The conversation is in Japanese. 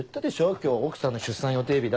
今日奥さんの出産予定日だって。